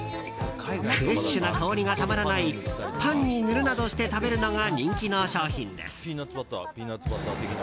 フレッシュな香りがたまらないパンに塗るなどして食べるのが人気の商品です。